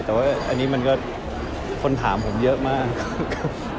แต่ว่าอันนี้มันก็คนถามผมเยอะมาก